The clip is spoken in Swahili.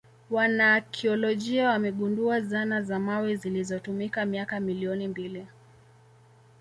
Wanaakiolojia wamegundua zana za mawe zilizotumika miaka milioni mbili